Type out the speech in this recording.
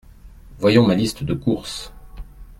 Voyons ma liste de courses…